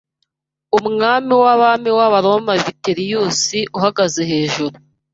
Umwami wabami wAbaroma Vitellius uhagaze hejuru